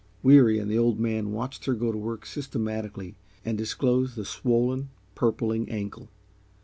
Weary and the Old Man watched her go to work systematically and disclose the swollen, purpling ankle.